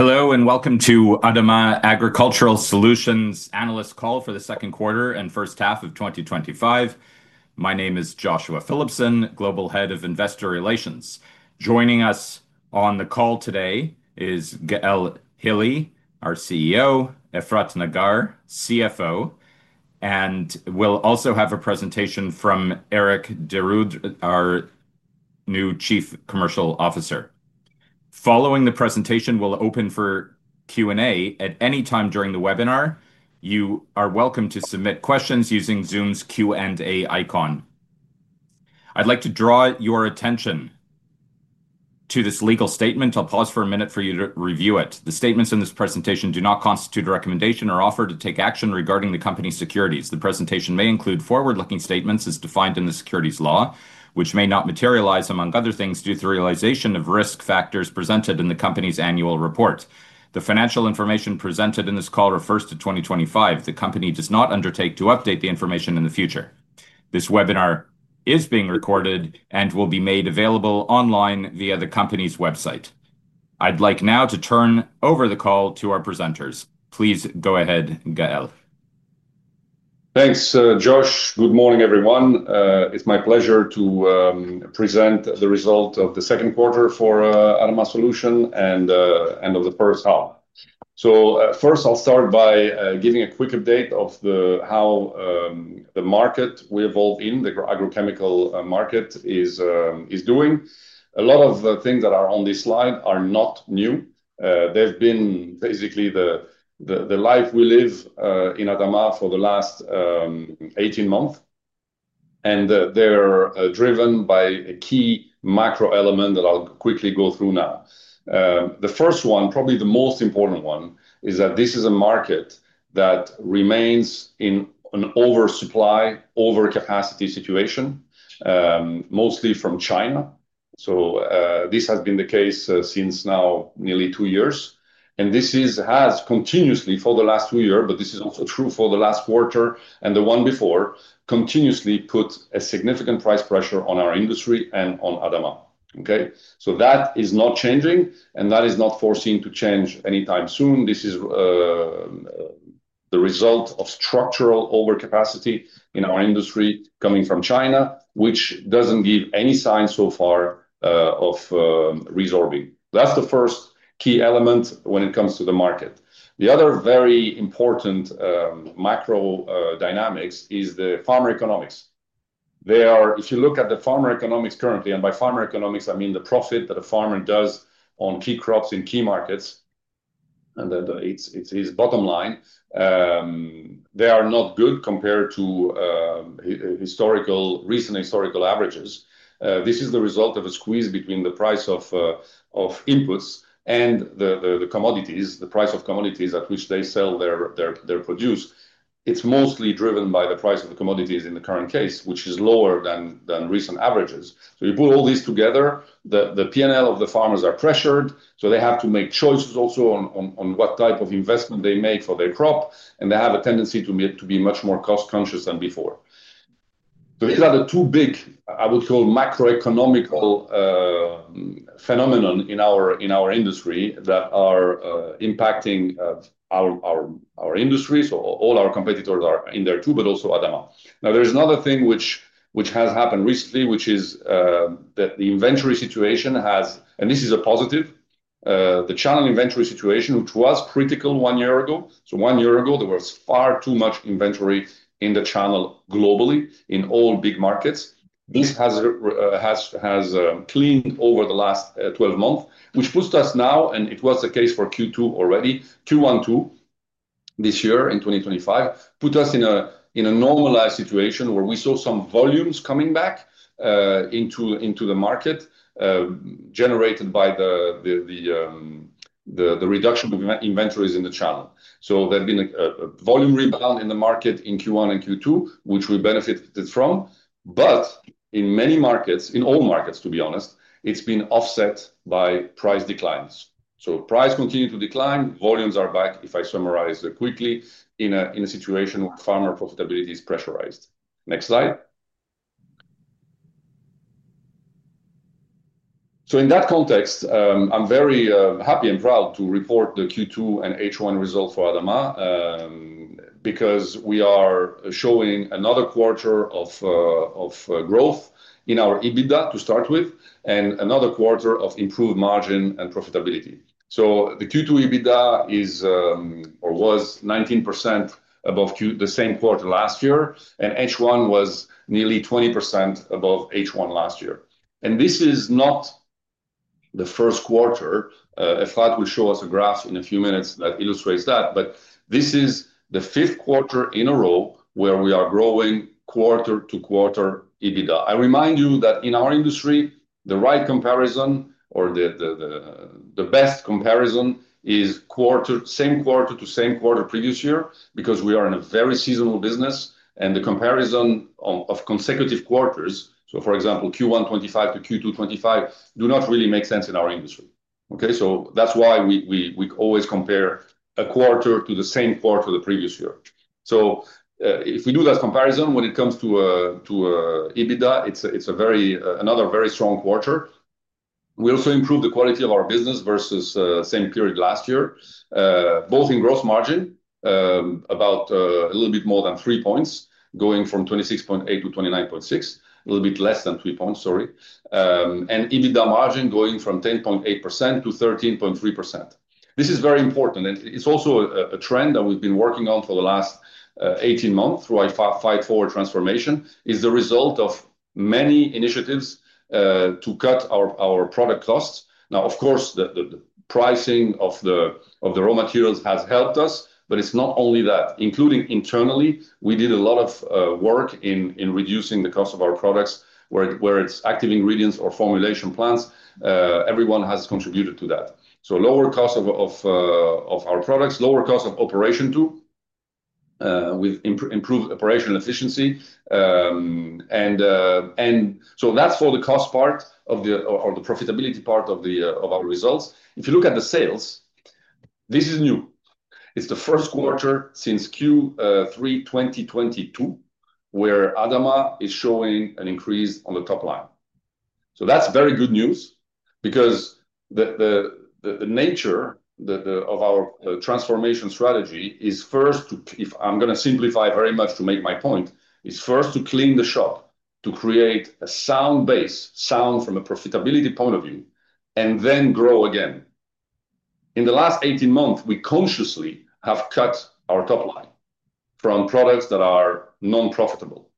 Hello and welcome to ADAMA Agricultural Solution's Analyst Call for the second quarter and first half of 2025. My name is Joshua Phillipson, Global Head of Investor Relations. Joining us on the call today is ADAMA CEO Gaël Hili, our CFO Efrat Nagar, and we'll also have a presentation from Eric Dereudre, our new Chief Commercial Officer. Following the presentation, we'll open for Q&A at any time during the webinar. You are welcome to submit questions using Zoom's Q&A icon. I'd like to draw your attention to this legal statement. I'll pause for a minute for you to review it. The statements in this presentation do not constitute a recommendation or offer to take action regarding the company's securities. The presentation may include forward-looking statements as defined in the securities law, which may not materialize among other things due to the realization of risk factors presented in the company's annual report. The financial information presented in this call refers to 2025. The company does not undertake to update the information in the future. This webinar is being recorded and will be made available online via the company's website. I'd like now to turn over the call to our presenters. Please go ahead, Gaël. Thanks, Josh. Good morning, everyone. It's my pleasure to present the results of the second quarter for ADAMA and the first half. First, I'll start by giving a quick update of how the market we're involved in, the agrochemical market, is doing. A lot of the things that are on this slide are not new. They've been basically the life we live in ADAMA for the last 18 months. They're driven by a key macro element that I'll quickly go through now. The first one, probably the most important one, is that this is a market that remains in an oversupply, overcapacity situation, mostly from China. This has been the case since now nearly two years. This has continuously, for the last two years, but this is also true for the last quarter and the one before, continuously put a significant price pressure on our industry and on ADAMA. That is not changing, and that is not foreseen to change anytime soon. This is the result of structural overcapacity in our industry coming from China, which doesn't give any signs so far of resorbing. That's the first key element when it comes to the market. The other very important macro dynamics is the farmer economics. If you look at the farmer economics currently, and by farmer economics, I mean the profit that a farmer does on key crops in key markets, and it's his bottom line, they are not good compared to recent historical averages. This is the result of a squeeze between the price of inputs and the commodities, the price of commodities at which they sell their produce. It's mostly driven by the price of the commodities in the current case, which is lower than recent averages. When you put all this together, the P&L of the farmers are pressured, so they have to make choices also on what type of investment they make for their crop, and they have a tendency to be much more cost-conscious than before. These are the two big, I would call, macroeconomical phenomena in our industry that are impacting our industry. All our competitors are in there too, but also ADAMA. There is another thing which has happened recently, which is that the inventory situation has, and this is a positive, the channel inventory situation, which was critical one year ago. One year ago, there was far too much inventory in the channel globally in all big markets. This has cleaned over the last 12 months, which puts us now, and it was the case for Q2 already, Q1-Q2 this year in 2025, put us in a normalized situation where we saw some volumes coming back into the market, generated by the reduction of inventories in the channel. There's been a volume rebound in the market in Q1 and Q2, which we benefited from. In many markets, in all markets, to be honest, it's been offset by price declines. Price continues to decline, volumes are back, if I summarize quickly, in a situation where farmer profitability is pressurized. Next slide. In that context, I'm very happy and proud to report the Q2 and H1 results for ADAMA because we are showing another quarter of growth in our EBITDA to start with, and another quarter of improved margin and profitability. The Q2 EBITDA is, or was, 19% above the same quarter last year, and H1 was nearly 20% above H1 last year. This is not the first quarter. I thought we'd show us a graph in a few minutes that illustrates that, but this is the fifth quarter in a row where we are growing quarter to quarter EBITDA. I remind you that in our industry, the right comparison, or the best comparison, is quarter same quarter to same quarter previous year because we are in a very seasonal business, and the comparison of consecutive quarters, for example, Q1 2025 to Q2 2025, does not really make sense in our industry. That's why we always compare a quarter to the same quarter of the previous year. If we do that comparison, when it comes to EBITDA, it's another very strong quarter. We also improved the quality of our business versus the same period last year, both in gross margin, about a little bit more than three points, going from 26.8% to 29.6%, a little bit less than three points, sorry, and EBITDA margin going from 10.8% to 13.3%. This is very important, and it's also a trend that we've been working on for the last 18 months through our Fight Forward transformation. It's the result of many initiatives to cut our product costs. Now, of course, the pricing of the raw materials has helped us, but it's not only that. Including internally, we did a lot of work in reducing the cost of our products, whether it's active ingredients or formulation plants. Everyone has contributed to that. Lower cost of our products, lower cost of operation too, with improved operational efficiency. That's for the cost part of the or the profitability part of our results. If you look at the sales, this is new. It's the first quarter since Q3 2022, where ADAMA is showing an increase on the top line. That's very good news because the nature of our transformation strategy is first to, if I'm going to simplify very much to make my point, is first to clean the shop, to create a sound base, sound from a profitability point of view, and then grow again. In the last 18 months, we consciously have cut our top line from products that are non-profitable.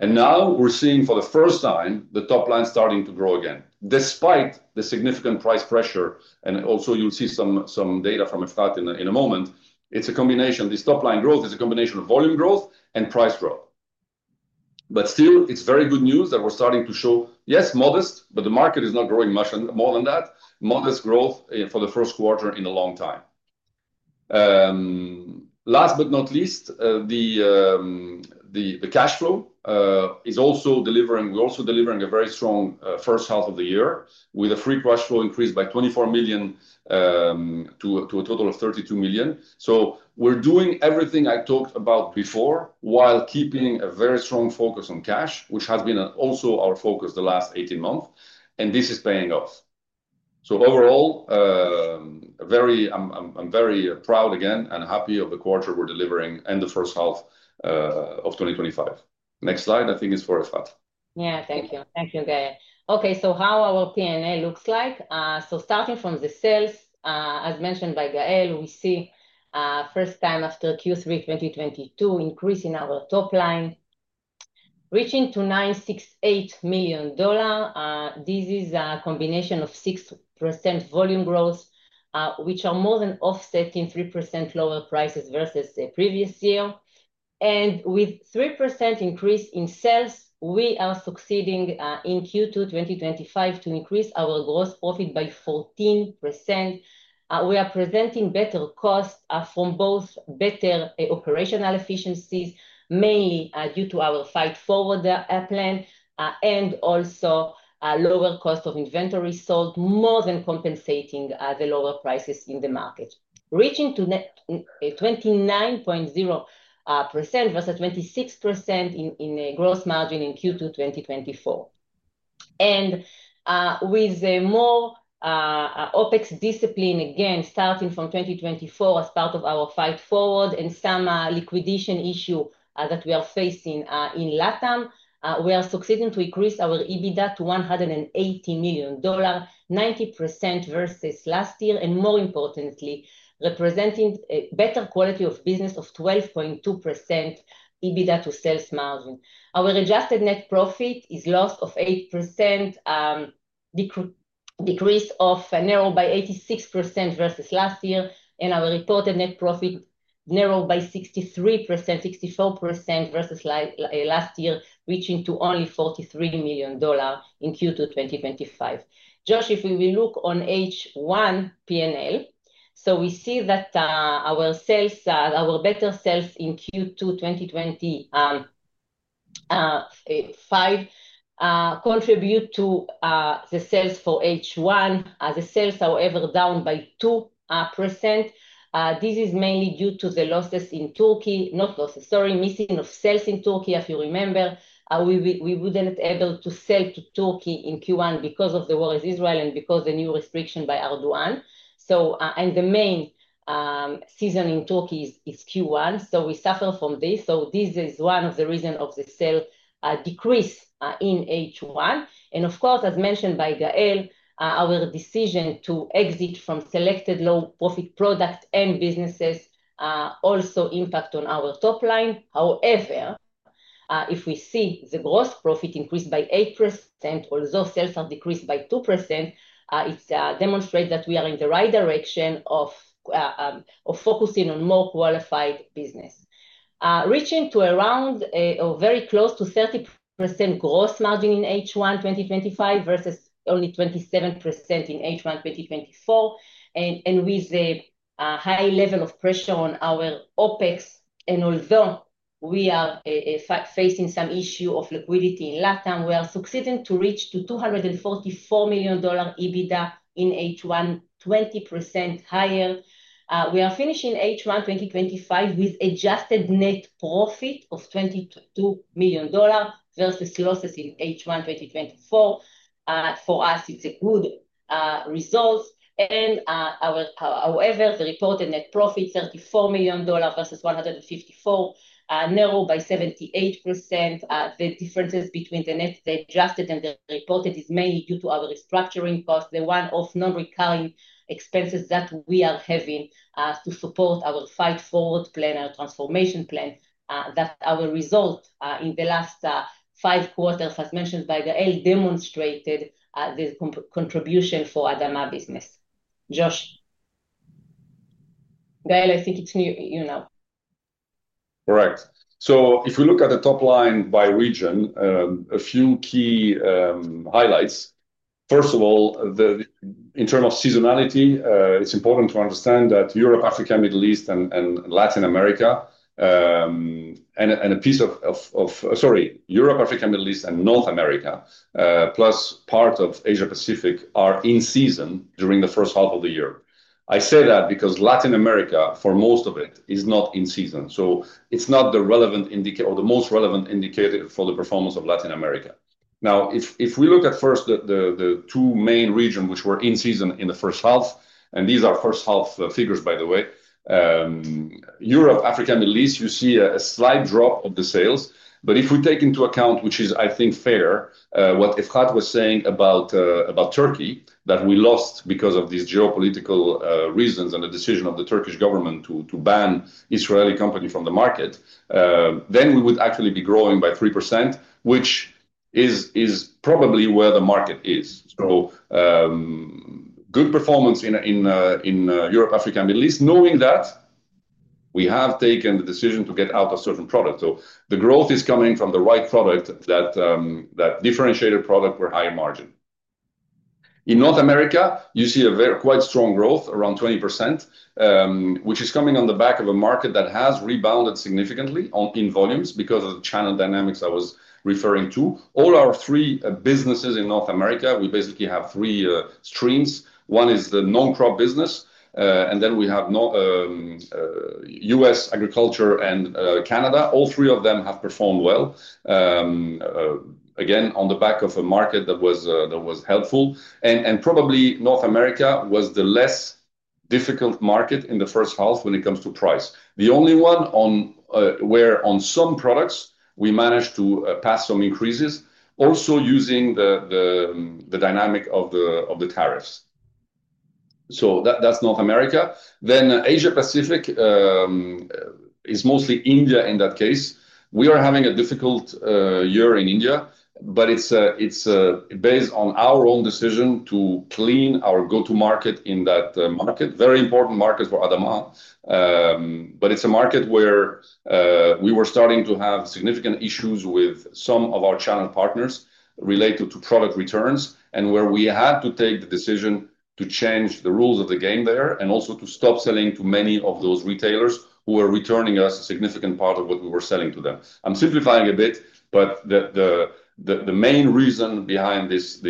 Now we're seeing for the first time the top line starting to grow again, despite the significant price pressure. You'll see some data from Efrat in a moment. It's a combination. This top line growth is a combination of volume growth and price growth. Still, it's very good news that we're starting to show, yes, modest, but the market is not growing much more than that, modest growth for the first quarter in a long time. Last but not least, the cash flow is also delivering. We're also delivering a very strong first half of the year with a free cash flow increase by $24 million to a total of $32 million. We're doing everything I talked about before while keeping a very strong focus on cash, which has been also our focus the last 18 months. This is paying off. Overall, I'm very proud again and happy of the quarter we're delivering and the first half of 2025. Next slide, I think it's for Efrat. Yeah, thank you. Thank you, Gaël. Okay, so how our P&L looks like. Starting from the sales, as mentioned by Gaël, we see the first time after Q3 2022 increase in our top line, reaching to $968 million. This is a combination of 6% volume growth, which are more than offsetting 3% lower prices versus the previous year. With 3% increase in sales, we are succeeding in Q2 2025 to increase our gross profit by 14%. We are presenting better costs from both better operational efficiencies, mainly due to our Fight Forward plan, and also a lower cost of inventory sold, more than compensating the lower prices in the market, reaching to 29% versus 26% in gross margin in Q2 2024. With more OPEX discipline again, starting from 2024 as part of our Fight Forward and some liquidation issue that we are facing in LATAM, we are succeeding to increase our EBITDA to $180 million, 90% versus last year, and more importantly, representing a better quality of business of 12.2% EBITDA to sales margin. Our adjusted net profit is loss of 8%, decreased or narrowed by 86% versus last year, and our reported net profit narrowed by 63%, 64% versus last year, reaching to only $43 million in Q2 2025. Josh, if we look on H1 P&L, we see that our sales, our better sales in Q2 2025 contribute to the sales for H1. The sales, however, are down by 2%. This is mainly due to the losses in Turkey, not losses, sorry, missing of sales in Turkey. As you remember, we wouldn't be able to sell to Turkey in Q1 because of the war in Israel and because of the new restrictions by Erdogan. The main season in Turkey is Q1, we suffer from this. This is one of the reasons for the sales decrease in H1. Of course, as mentioned by Gaël, our decision to exit from selected low-profit products and businesses also impacts our top line. However, if we see the gross profit increase by 8%, although sales have decreased by 2%, it demonstrates that we are in the right direction of focusing on more qualified business. Reaching to around or very close to 30% gross margin in H1 2025 versus only 27% in H1 2024, and with a high level of pressure on our OPEX, and although we are facing some issues of liquidity in Latam, we are succeeding to reach to $244 million EBITDA in H1, 20% higher. We are finishing H1 2025 with adjusted net profit of $22 million versus the losses in H1 2024. For us, it's a good result. However, the reported net profit, $34 million versus $154 million, narrowed by 78%. The differences between the net adjusted and the reported are mainly due to our restructuring costs, the one-off non-recurring expenses that we are having to support our Fight Forward plan, our transformation plan, that our result in the last five quarters, as mentioned by Gaël, demonstrated the contribution for ADAMA business. Gaël, I think it's you now. Right. If we look at the top line by region, a few key highlights. First of all, in terms of seasonality, it's important to understand that Europe, Africa, Middle East, and North America, plus part of Asia-Pacific, are in season during the first half of the year. I say that because Latin America, for most of it, is not in season. It's not the relevant indicator or the most relevant indicator for the performance of Latin America. If we look at first the two main regions which were in season in the first half, and these are first half figures, by the way, Europe, Africa, Middle East, you see a slight drop of the sales. If we take into account, which is, I think, fair, what Efrat Nagar was saying about Turkey, that we lost because of these geopolitical reasons and the decision of the Turkish government to ban Israeli companies from the market, then we would actually be growing by 3%, which is probably where the market is. Good performance in Europe, Africa, and Middle East, knowing that we have taken the decision to get out of certain products. The growth is coming from the right product, that differentiated product with higher margin. In North America, you see a quite strong growth, around 20%, which is coming on the back of a market that has rebounded significantly in volumes because of the channel dynamics I was referring to. All our three businesses in North America, we basically have three streams. One is the non-crop business, and then we have U.S. agriculture and Canada. All three of them have performed well, again, on the back of a market that was helpful. North America was the less difficult market in the first half when it comes to price. The only one where on some products we managed to pass some increases, also using the dynamic of the tariffs. That's North America. Asia-Pacific is mostly India in that case. We are having a difficult year in India, but it's based on our own decision to clean our go-to market in that market. Very important market for ADAMA, but it's a market where we were starting to have significant issues with some of our channel partners related to product returns and where we had to take the decision to change the rules of the game there and also to stop selling to many of those retailers who were returning us a significant part of what we were selling to them. I'm simplifying a bit, but the main reason behind this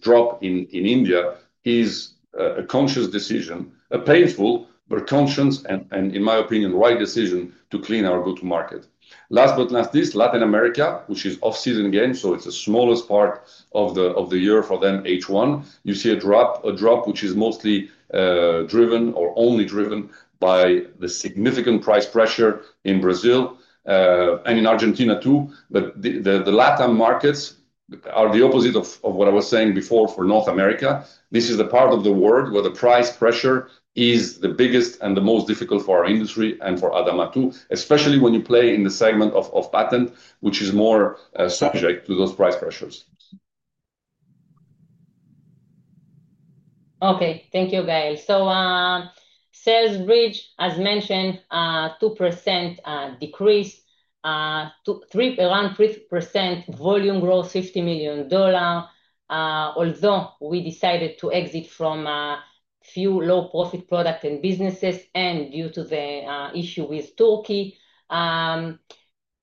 drop in India is a conscious decision, a painful, but conscious and, in my opinion, right decision to clean our go-to market. Last but not least, Latin America, which is off-season again, so it's the smallest part of the year for them, H1. You see a drop, which is mostly driven or only driven by the significant price pressure in Brazil and in Argentina too. The LATAM markets are the opposite of what I was saying before for North America. This is the part of the world where the price pressure is the biggest and the most difficult for our industry and for ADAMA too, especially when you play in the segment of patent, which is more subject to those price pressures. Okay, thank you, Gaël. Sales bridge, as mentioned, 2% decrease, around 3% volume growth, $50 million, although we decided to exit from a few low-profit products and businesses and due to the issue with Turkey.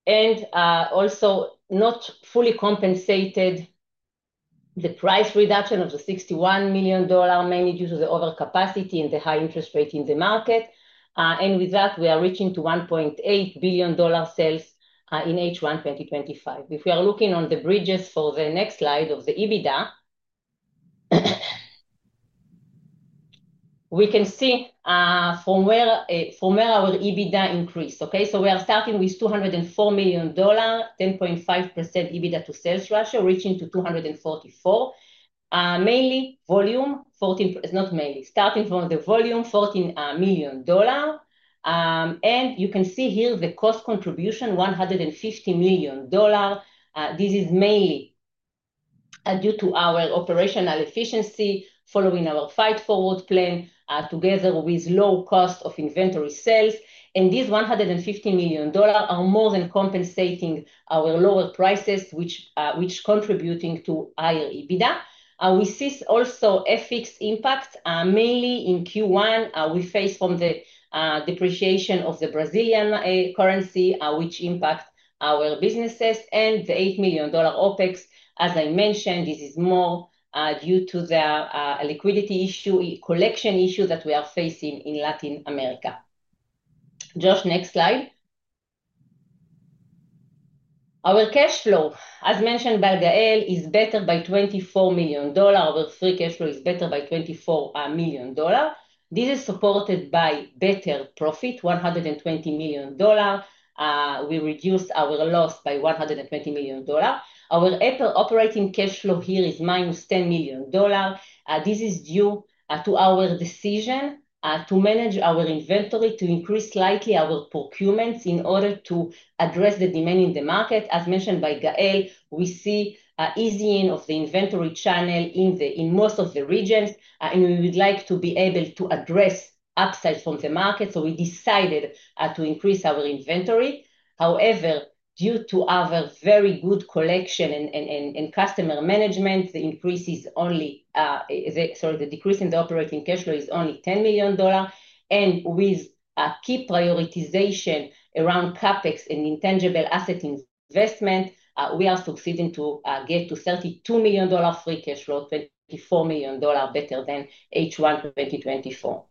Also, not fully compensated the price reduction of the $61 million, mainly due to the overcapacity and the high interest rate in the market. With that, we are reaching $1.8 billion sales in H1 2025. If we are looking on the bridges for the next slide of the EBITDA, we can see from where our EBITDA increased. Okay, we are starting with $204 million, 10.5% EBITDA to sales ratio, reaching $244 million. Mainly volume, 14%, not mainly, starting from the volume, $14 million. You can see here the cost contribution, $150 million. This is mainly due to our operational efficiency following our Fight Forward plan, together with low cost of inventory sales. These $150 million are more than compensating our lower prices, which contribute to higher EBITDA. We see also a fixed impact, mainly in Q1. We face from the depreciation of the Brazilian currency, which impacts our businesses and the $8 million OPEX. As I mentioned, this is more due to the liquidity issue, collection issue that we are facing in Latin America. Josh, next slide. Our cash flow, as mentioned by Gaël, is better by $24 million. Our free cash flow is better by $24 million. This is supported by better profit, $120 million. We reduced our loss by $120 million. Our operating cash flow here is minus $10 million. This is due to our decision to manage our inventory, to increase slightly our procurements in order to address the demand in the market. As mentioned by Gaël, we see an easing of the inventory channel in most of the regions, and we would like to be able to address upsides from the market, so we decided to increase our inventory. However, due to our very good collection and customer management, the decrease in the operating cash flow is only $10 million. With a key prioritization around CapEx and intangible asset investment, we are succeeding to get to $32 million free cash flow, $24 million better than H1 2024.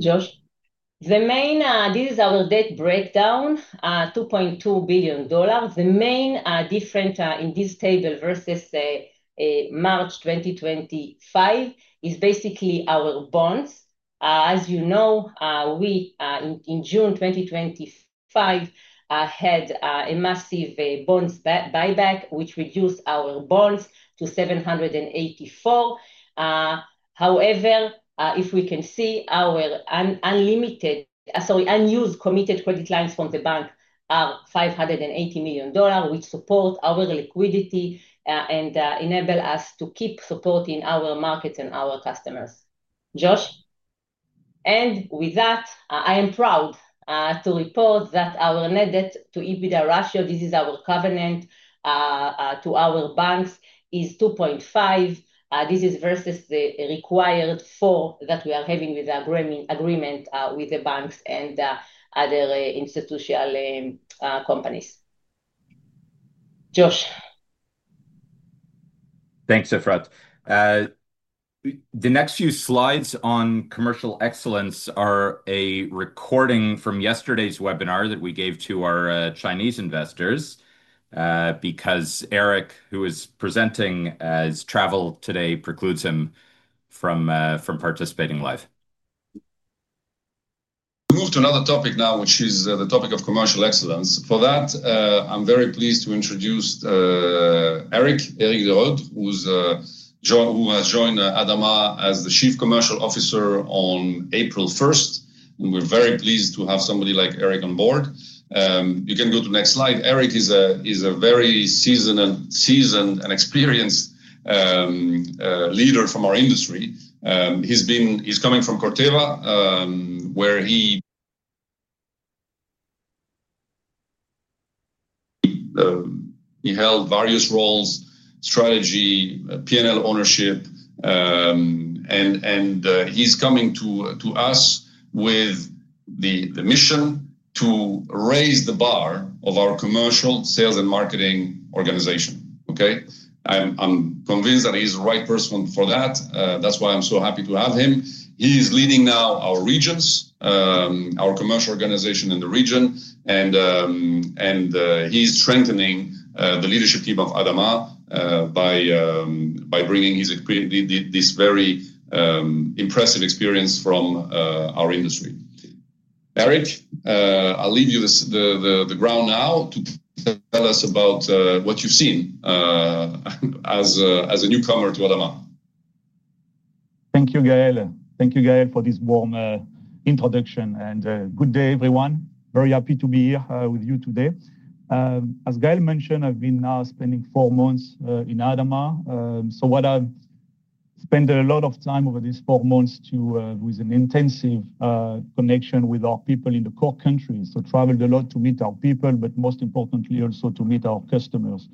Josh? The main. This is our debt breakdown, $2.2 billion. The main difference in this table versus March 2025 is basically our bonds. As you know, we in June 2025 had a massive bond buyback, which reduced our bonds to $784 million. However, if we can see our unused committed credit lines from the bank are $580 million, which supports our liquidity and enables us to keep supporting our markets and our customers. Josh? With that, I am proud to report that our net debt to EBITDA ratio, this is our covenant to our banks, is 2.5. This is versus the required 4 that we are having with our agreement with the banks and other institutional companies. Josh? Thanks, Efrat. The next few slides on commercial excellence are a recording from yesterday's webinar that we gave to our Chinese investors because Eric, who is presenting, as travel today precludes him from participating live. Move to another topic now, which is the topic of commercial excellence. For that, I'm very pleased to introduce Eric, Eric Dereudre, who has joined ADAMA as the Chief Commercial Officer on April 1st. We're very pleased to have somebody like Eric on board. You can go to the next slide. Eric is a very seasoned and experienced leader from our industry. He's coming from Corteva, where he held various roles: strategy, P&L ownership. He's coming to us with the mission to raise the bar of our commercial sales and marketing organization. I'm convinced that he's the right person for that. That's why I'm so happy to have him. He is leading now our regions, our commercial organization in the region, and he's strengthening the leadership team of ADAMA by bringing this very impressive experience from our industry. Eric, I'll leave you the ground now to tell us about what you've seen as a newcomer to ADAMA. Thank you, Gaël. Thank you, Gaël, for this warm introduction. Good day, everyone. Very happy to be here with you today. As Gaël mentioned, I've been now spending four months in ADAMA. I've spent a lot of time over these four months with an intensive connection with our people in the core countries. I traveled a lot to meet our people, but most importantly, also to meet our customers.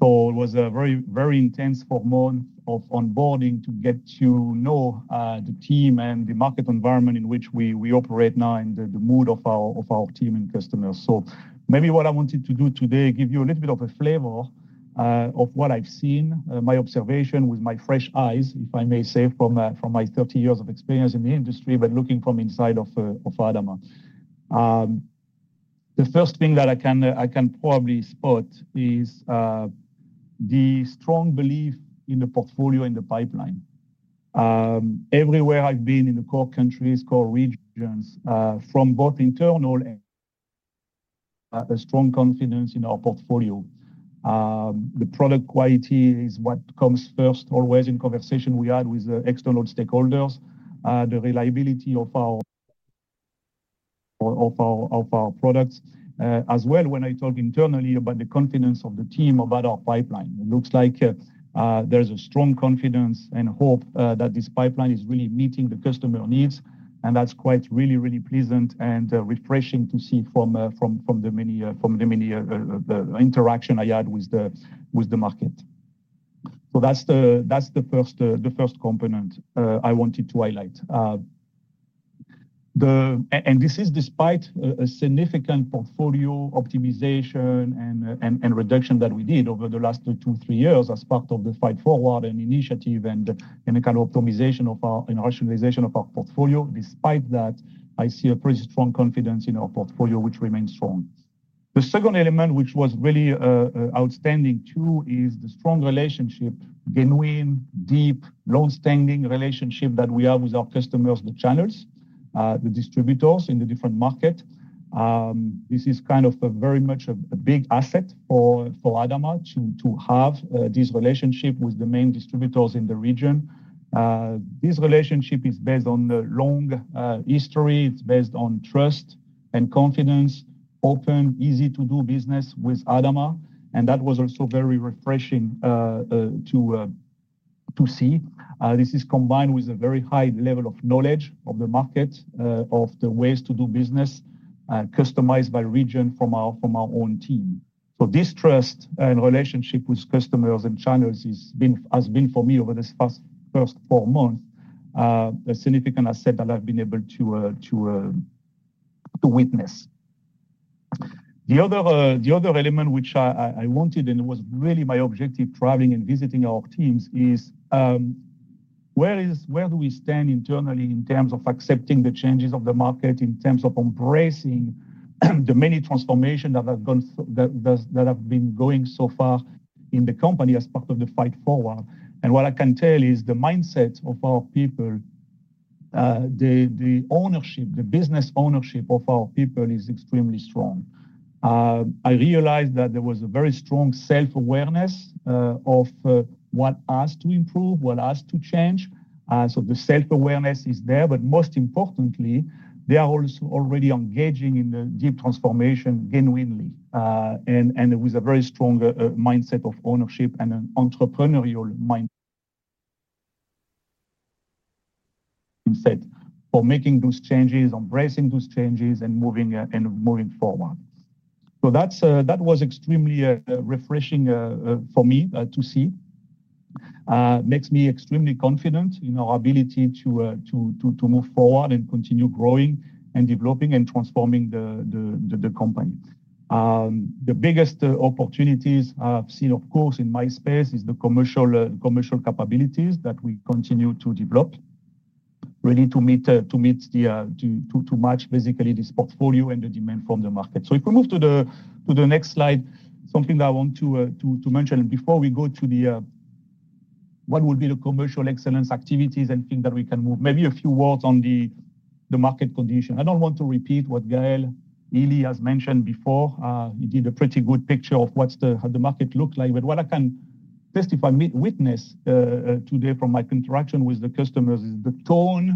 It was a very, very intense four months of onboarding to get to know the team and the market environment in which we operate now and the mood of our team and customers. Maybe what I wanted to do today is give you a little bit of a flavor of what I've seen, my observation with my fresh eyes, if I may say, from my 30 years of experience in the industry, but looking from inside of ADAMA. The first thing that I can probably spot is the strong belief in the portfolio and the pipeline. Everywhere I've been in the core countries, core regions, from both internal and external, a strong confidence in our portfolio. The product quality is what comes first always in conversation we had with external stakeholders. The reliability of our products. As well, when I talk internally about the confidence of the team about our pipeline, it looks like there's a strong confidence and hope that this pipeline is really meeting the customer needs. That's quite really, really pleasant and refreshing to see from the many interactions I had with the market. That's the first component I wanted to highlight. This is despite a significant portfolio optimization and reduction that we did over the last two, three years as part of the Fight Forward initiative and the kind of optimization and rationalization of our portfolio. Despite that, I see a pretty strong confidence in our portfolio, which remains strong. The second element, which was really outstanding too, is the strong relationship, genuine, deep, long-standing relationship that we have with our customers, the channels, the distributors in the different markets. This is kind of a very much a big asset for ADAMA to have this relationship with the main distributors in the region. This relationship is based on a long history. It's based on trust and confidence, open, easy-to-do business with ADAMA. That was also very refreshing to see. This is combined with a very high level of knowledge of the market, of the ways to do business, customized by region from our own team. This trust and relationship with customers and channels has been, for me, over the first four months, a significant asset that I've been able to witness. The other element which I wanted, and it was really my objective traveling and visiting our teams, is where do we stand internally in terms of accepting the changes of the market, in terms of embracing the many transformations that have been going so far in the company as part of the Fight Forward. What I can tell is the mindset of our people, the ownership, the business ownership of our people is extremely strong. I realized that there was a very strong self-awareness of what has to improve, what has to change. The self-awareness is there, but most importantly, they are already engaging in the deep transformation genuinely, and with a very strong mindset of ownership and an entrepreneurial mindset for making those changes, embracing those changes, and moving forward. That was extremely refreshing for me to see. It makes me extremely confident in our ability to move forward and continue growing and developing and transforming the company. The biggest opportunities I've seen, of course, in my space is the commercial capabilities that we continue to develop, ready to match basically this portfolio and the demand from the market. If we move to the next slide, something that I want to mention, and before we go to what would be the commercial excellence activities and things that we can move, maybe a few words on the market condition. I don't want to repeat what Gaël Hili has mentioned before. He did a pretty good picture of what the market looked like, but what I can testify and witness today from my interaction with the customers is the tone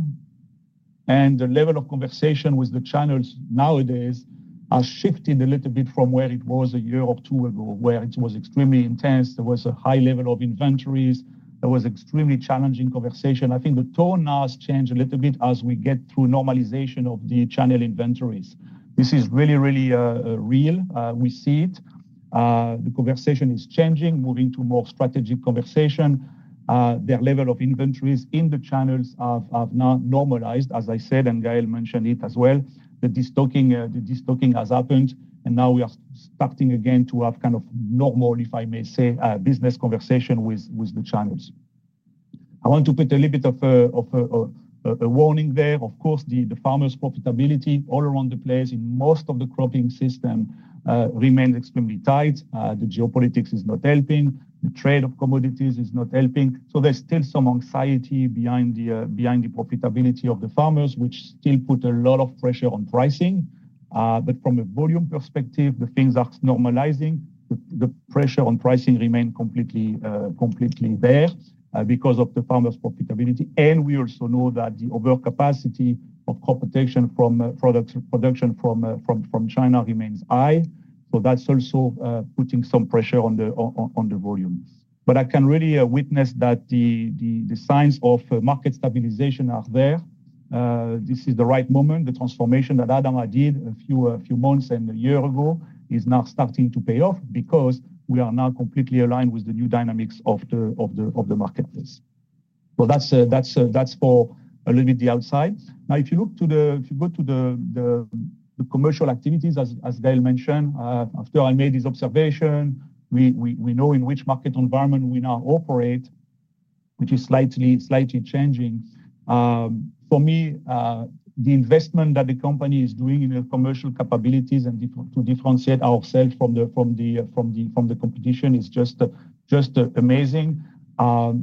and the level of conversation with the channels nowadays has shifted a little bit from where it was a year or two ago, where it was extremely intense. There was a high level of inventories. There was extremely challenging conversation. I think the tone now has changed a little bit as we get through normalization of the channel inventories. This is really, really real. We see it. The conversation is changing, moving to more strategic conversation. Their level of inventories in the channels have now normalized, as I said, and Gaël mentioned it as well, the destocking has happened, and now we are starting again to have kind of normal, if I may say, business conversation with the channels. I want to put a little bit of a warning there. Of course, the farmers' profitability all around the place in most of the cropping system remains extremely tight. The geopolitics is not helping. The trade of commodities is not helping. There is still some anxiety behind the profitability of the farmers, which still puts a lot of pressure on pricing. From a volume perspective, things are normalizing. The pressure on pricing remains completely there because of the farmers' profitability. We also know that the overcapacity of crop protection production from China remains high. That is also putting some pressure on the volume. I can really witness that the signs of market stabilization are there. This is the right moment. The transformation that ADAMA did a few months and a year ago is now starting to pay off because we are now completely aligned with the new dynamics of the marketplace. That is for a little bit the outside. Now, if you look to the commercial activities, as Gaël Hili mentioned, after I made this observation, we know in which market environment we now operate, which is slightly changing. For me, the investment that the company is doing in the commercial capabilities and to differentiate ourselves from the competition is just amazing.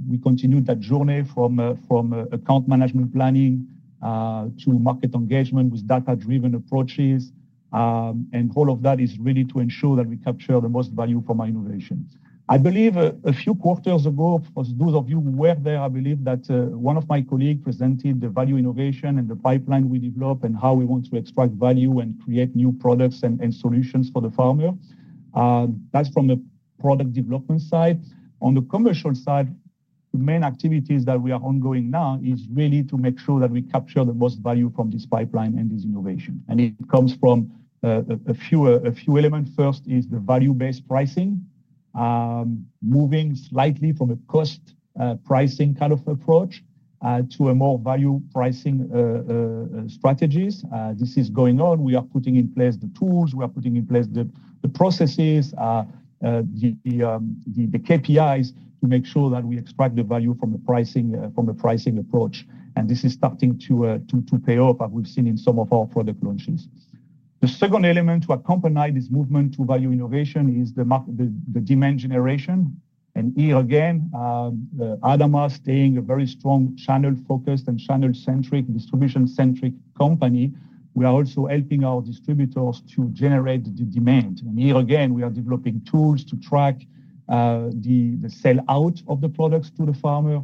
We continue that journey from account management planning to market engagement with data-driven approaches. All of that is really to ensure that we capture the most value from our innovations. I believe a few quarters ago, for those of you who were there, I believe that one of my colleagues presented the value innovation and the pipeline we develop and how we want to extract value and create new products and solutions for the farmer. That is from the product development side. On the commercial side, the main activities that we are ongoing now are really to make sure that we capture the most value from this pipeline and this innovation. It comes from a few elements. First is the value-based pricing, moving slightly from a cost pricing kind of approach to a more value pricing strategy. This is going on. We are putting in place the tools. We are putting in place the processes, the KPIs to make sure that we extract the value from the pricing approach. This is starting to pay off, as we've seen in some of our product launches. The second element to accompany this movement to value innovation is the demand generation. Here again, ADAMA staying a very strong channel-focused and channel-centric, distribution-centric company. We are also helping our distributors to generate the demand. Here again, we are developing tools to track the sell-out of the products to the farmer.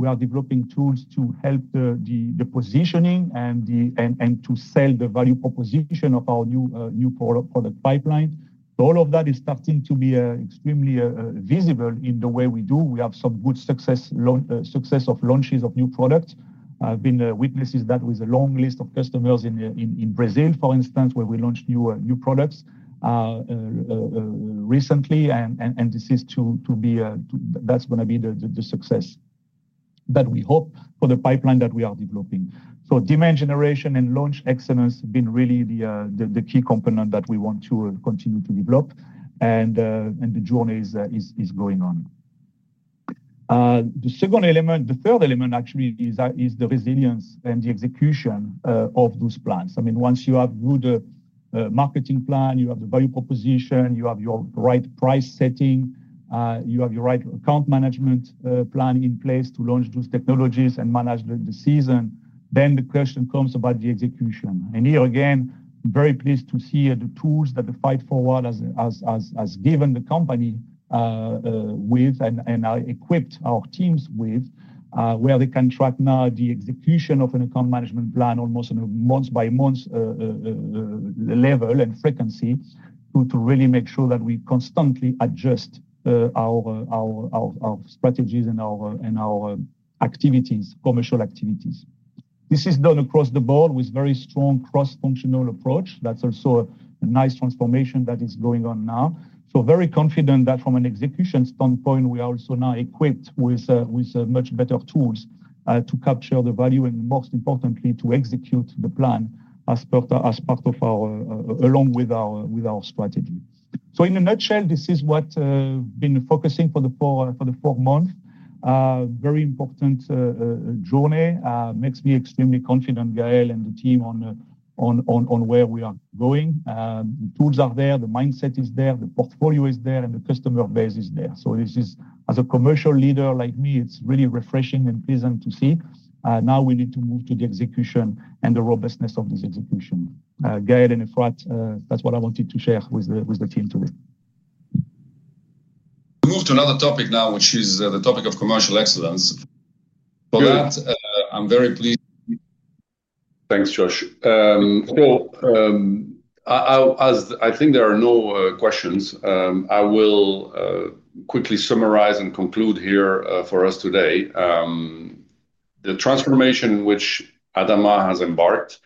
We are developing tools to help the positioning and to sell the value proposition of our new product pipeline. All of that is starting to be extremely visible in the way we do. We have some good success of launches of new products. I've been witnessing that with a long list of customers in Brazil, for instance, where we launched new products recently. This is going to be the success that we hope for the pipeline that we are developing. Demand generation and launch excellence have been really the key component that we want to continue to develop. The journey is going on. The third element, actually, is the resilience and the execution of those plans. I mean, once you have a good marketing plan, you have the value proposition, you have your right price setting, you have your right account management plan in place to launch those technologies and manage the season, the question comes about the execution. Here again, I'm very pleased to see the tools that the Fight Forward has given the company with and equipped our teams with, where they can track now the execution of an account management plan almost on a month-by-month level and frequency to really make sure that we constantly adjust our strategies and our commercial activities. This is done across the board with a very strong cross-functional approach. That's also a nice transformation that is going on now. I'm very confident that from an execution standpoint, we are also now equipped with much better tools to capture the value and, most importantly, to execute the plan as part of our, along with our strategy. In a nutshell, this is what we've been focusing on for the four months. Very important journey. Makes me extremely confident, Gaël and the team, on where we are going. Tools are there. The mindset is there. The portfolio is there. The customer base is there. This is, as a commercial leader like me, it's really refreshing and pleasant to see. Now we need to move to the execution and the robustness of this execution. Gaël and Efrat, that's what I wanted to share with the team today. Move to another topic now, which is the topic of commercial excellence. For that, I'm very pleased. Thanks, Josh. As I think there are no questions, I will quickly summarize and conclude here for us today. The transformation in which ADAMA has embarked,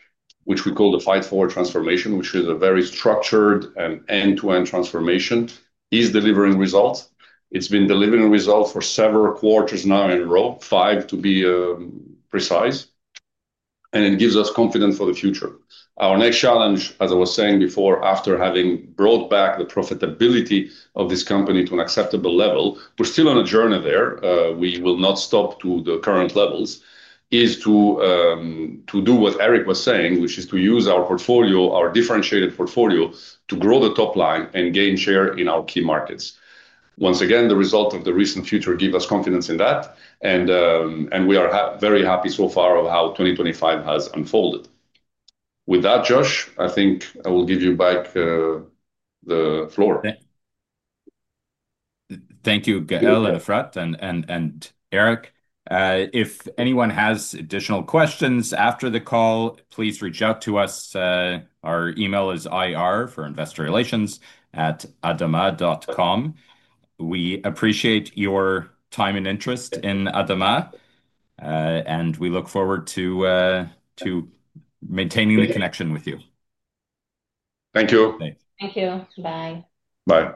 which we call the Fight Forward transformation, which is a very structured and end-to-end transformation, is delivering results. It's been delivering results for several quarters now in a row, five to be precise. It gives us confidence for the future. Our next challenge, as I was saying before, after having brought back the profitability of this company to an acceptable level, we're still on a journey there. We will not stop to the current levels, is to do what Eric was saying, which is to use our portfolio, our differentiated portfolio, to grow the top line and gain share in our key markets. Once again, the result of the recent future gives us confidence in that. We are very happy so far of how 2025 has unfolded. With that, Josh, I think I will give you back the floor. Thank you, Gaël and Efrat and Eric. If anyone has additional questions after the call, please reach out to us. Our email is IR for Investor Relations at adama.com. We appreciate your time and interest in ADAMA, and we look forward to maintaining the connection with you. Thank you. Thank you. Bye. Bye.